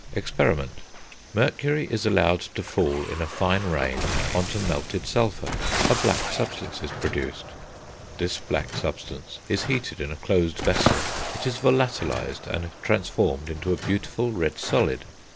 Experiment. Mercury is allowed to fall, in a fine rain, on to melted sulphur; a black substance is produced; this black substance is heated in a closed vessel, it is volatilised and transformed into a beautiful red solid.